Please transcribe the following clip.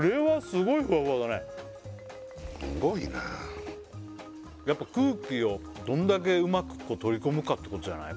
すごいなやっぱ空気をどんだけうまく取り込むかってことじゃない？